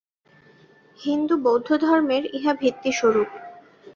হিন্দু ও বৌদ্ধধর্মের ইহা ভিত্তিস্বরূপ।